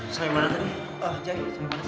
sampai mana tadi